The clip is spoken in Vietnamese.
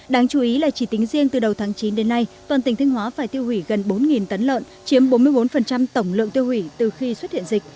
đáng chú ý là chỉ tính riêng từ đầu tháng chín đến nay toàn tỉnh thanh hóa phải tiêu hủy gần bốn tấn lợn chiếm bốn mươi bốn tổng lượng tiêu hủy từ khi xuất hiện dịch